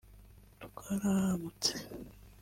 twarahahamutse